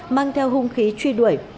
mang theo hung khí truy đuổi